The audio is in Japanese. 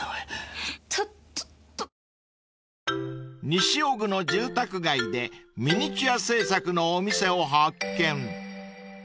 ［西尾久の住宅街でミニチュア制作のお店を発見］